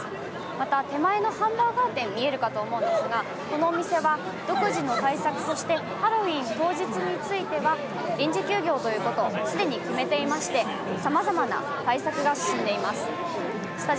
また、手前のハンバーガー店見えるかと思うんですが、このお店は独自の対策として、ハロウィーン当日については臨時休業ということを既に決めていましてさまざまな対策が進んでいます。